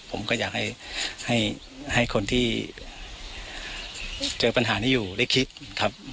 ผมก็อยากให้คนที่เจอปัญหานี้อยู่ได้คิดครับ